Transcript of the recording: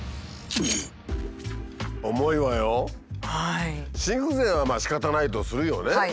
心不全はまあしかたないとするよね。